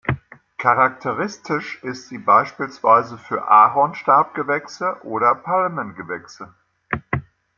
Charakteristisch ist sie beispielsweise für Aronstabgewächse oder Palmengewächse.